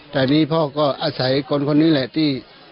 แต่นี่พ่อก็อาศัยคนคนนี้แหละที่